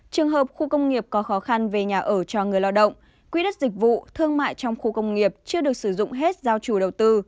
trường hợp khu công nghiệp có khó khăn về nhà ở cho người lao động quỹ đất dịch vụ thương mại trong khu công nghiệp chưa được sử dụng hết giao chủ đầu tư